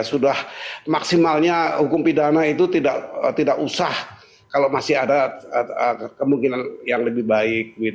sudah maksimalnya hukum pidana itu tidak usah kalau masih ada kemungkinan yang lebih baik